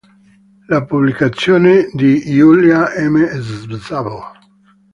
Le pubblicazioni di Gyula M. Szabó